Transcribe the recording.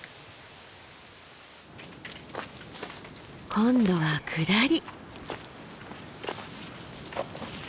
今度は下り。